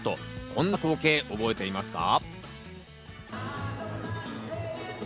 こんな光景、覚えていますか？